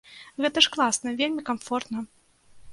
Гэта ж класна, вельмі камфортна.